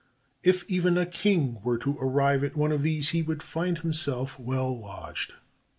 If even a king were to arrive at one of these, he would find himself well lodged.